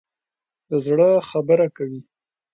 د زړه خبره کوي.